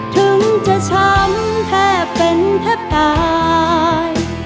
ถึงจะช้ำแทบเป็นแทบตาย